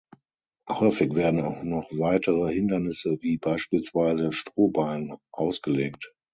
Häufig werden auch noch weitere Hindernisse, wie beispielsweise Strohballen, ausgelegt.